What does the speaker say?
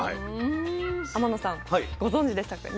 天野さんご存じでしたか？